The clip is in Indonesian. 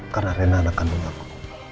karena rena anak kandung aku